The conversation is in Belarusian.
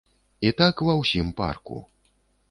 І так ва ўсім парку.